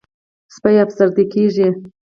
سپي افسرده کېږي.